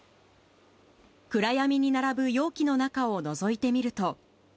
暗闇に並ぶ容器の中をのぞいてみると。